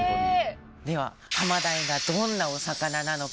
ではハマダイがどんなお魚なのか？